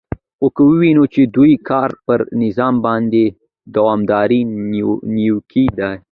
خو که ووینو چې د دوی کار پر نظام باندې دوامدارې نیوکې دي